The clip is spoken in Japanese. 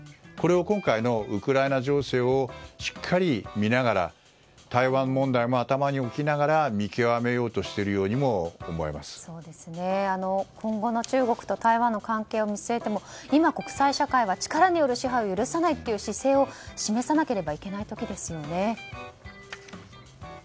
これを今回のウクライナ情勢をしっかり見ながら台湾問題も頭に置きながら見極めようとしているようにも今後の中国と台湾の関係を見据えても、今国際社会は力による支配を許さないという姿勢を示さなければいけない時ですよね。